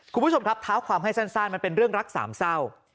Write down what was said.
คุณผู้ชมครับเท้าความให้สั้นมันเป็นเรื่องรักสามเศร้า